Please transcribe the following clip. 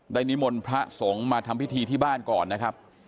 นิมนต์พระสงฆ์มาทำพิธีที่บ้านก่อนนะครับ